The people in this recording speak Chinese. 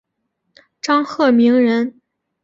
张鹤鸣人。